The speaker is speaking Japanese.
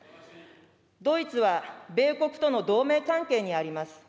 ドイツは米国との同盟関係にあります。